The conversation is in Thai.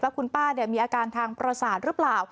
คุณป้ามีอาการทางประสาทหรือเปล่า